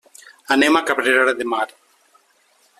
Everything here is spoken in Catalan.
Anem a Cabrera de Mar.